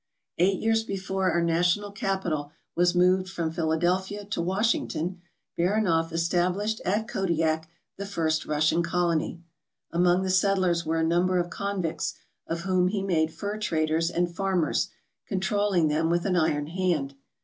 Eight years before our national capital was moved from Philadelphia to Washington Baranof established at Kodiak the first Russian colony. Among the settlers were a number of convicts, of whom he made fur traders and farmers, controlling them with an iron hand.